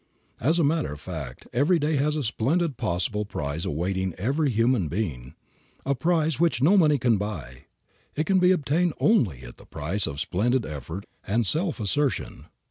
As a matter of fact, every day has a splendid possible prize awaiting every human being, a prize which no money can buy. It can be obtained only at the price of splendid effort and self assertion.